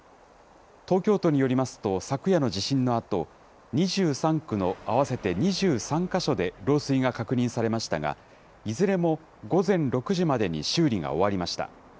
東京都によりますと、昨夜の地震のあと、２３区の合わせて２３か所で漏水が確認されましたが、いずれも午前６時までに修理が終わりました。